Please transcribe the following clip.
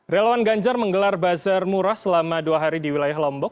relawan ganjar menggelar bazar murah selama dua hari di wilayah lombok